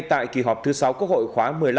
tại kỳ họp thứ sáu quốc hội khóa một mươi năm